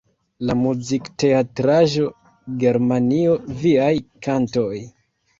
La muzikteatraĵo Germanio, viaj kantoj!